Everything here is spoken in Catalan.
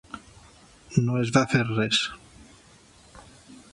No es va fer res.